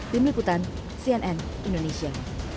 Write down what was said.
di meliputan cnn indonesia